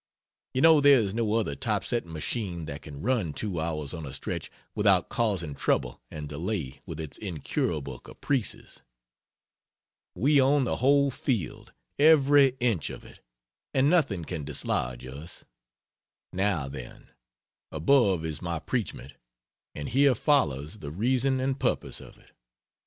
You know there is no other typesetting machine that can run two hours on a stretch without causing trouble and delay with its incurable caprices. We own the whole field every inch of it and nothing can dislodge us. Now then, above is my preachment, and here follows the reason and purpose of it.